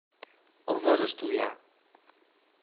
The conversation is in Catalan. On vas estudiar?